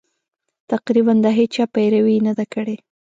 تقریباً د هېچا پیروي یې نه ده کړې.